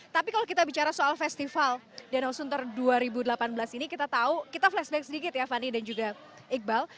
tapi kalau kita bicara soal festival danau sunter dua ribu delapan belas ini kita tahu kita flashback sedikit ya fani dan juga iqbal